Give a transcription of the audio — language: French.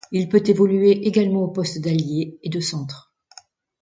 Il peut évoluer également aux postes d'ailier et de centre.